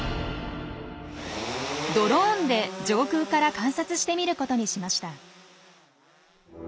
ドローンで上空から観察してみることにしました。